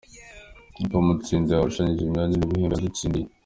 Uko amatsinda yarushanyije imyanya n’ibihembo yatsindiye:.